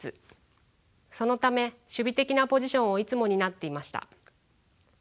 そのため守備的なポジションをいつも担っていました。